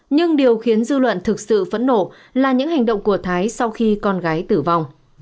nhưng điều khiến dư luận thực sự phẫn nộ là những hành động của thái sau khi con gái tử vong